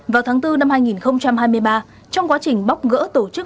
vào tháng bốn năm hai nghìn hai mươi ba trong quá trình bóc gỡ tổ chức